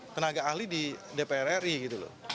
tenaga ahli di dpr ri gitu loh